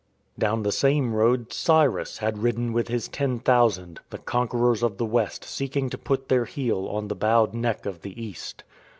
Down the same road Cyrus had ridden with his Ten Thousand,^ the conquerors of the West seeking to put their heel on the bowed neck of the East.